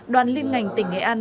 đoàn liên ngành tỉnh nghệ an